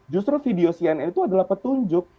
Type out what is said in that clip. justru video cnn itu adalah petunjuk